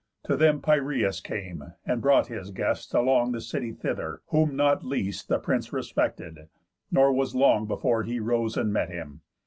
To them Piræus came, and brought his guest Along the city thither, whom not least The prince respected, nor was long before He rose and met him.